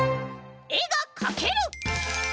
「えがかける」！